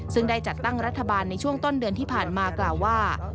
ซึ่งได้จัดตั้งรัฐบาลในช่วงต้นเดือนที่ผ่านมากล่าวว่า